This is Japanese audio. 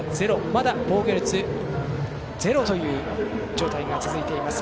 まだ防御率ゼロという状態が続いています。